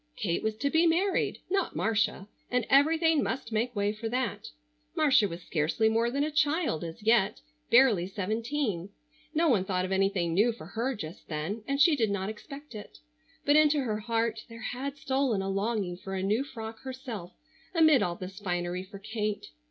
Kate was to be married, not Marcia, and everything must make way for that. Marcia was scarcely more than a child as yet, barely seventeen. No one thought of anything new for her just then, and she did not expect it. But into her heart there had stolen a longing for a new frock herself amid all this finery for Kate.